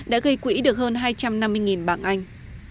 đã gây quỹ được hơn hai trăm năm mươi bảng anh